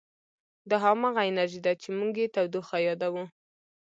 دا همغه انرژي ده چې موږ یې تودوخه یادوو.